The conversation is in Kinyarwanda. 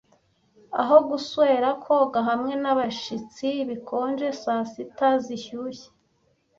Aho guswera koga hamwe nabashitsi bikonje saa sita zishyushye,